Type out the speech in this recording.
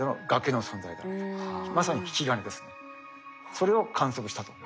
それを観測したと。